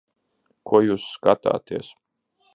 Ko jūs skatāties?